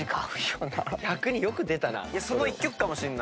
逆によく出たな。